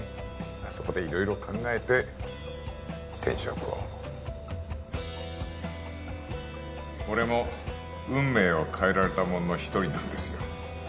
そこで色々考えて転職を俺も運命を変えられた者の一人なんですよ